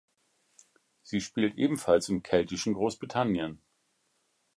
Sie spielt ebenfalls im keltischen Großbritannien.